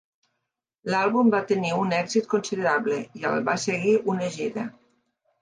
L'àlbum va tenir un èxit considerable i el va seguir una gira.